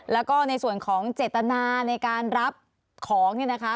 แล้วก็ในส่วนของเจตนาในการรับของเนี่ยนะคะ